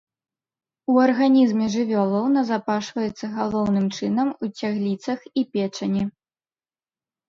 У арганізме жывёлаў назапашваецца галоўным чынам у цягліцах і печані.